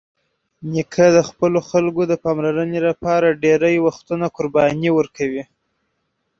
نیکه د خپلو خلکو د پاملرنې لپاره ډېری وختونه قرباني ورکوي.